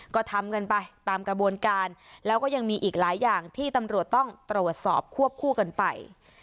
ก็ทำกันไปตามกระบวนการแล้วก็ยังมีอีกหลายอย่างที่ตำรวจต้องตรวจสอบควบคู่กันไป